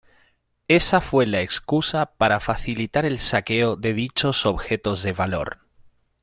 Esa fue la excusa para facilitar el saqueo de dichos objetos de valor.